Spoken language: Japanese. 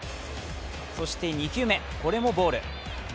そして２球目、これもボール。